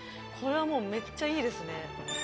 これはもうめっちゃいいですね。